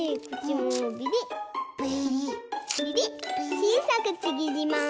ちいさくちぎります。